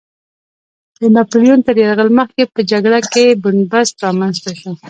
د ناپیلیون تر یرغل مخکې په جګړه کې بن بست رامنځته شو.